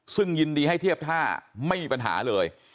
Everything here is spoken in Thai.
ซึ่งยินดีให้เทียบท่าไม่มีปัญหาเลย